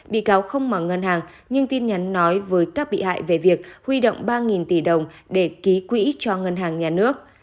bị cáo không mở ngân hàng nhưng tin nhắn nói với các bị hại về việc huy động ba tỷ đồng để ký quỹ cho ngân hàng nhà nước